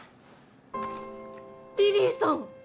リリィさん！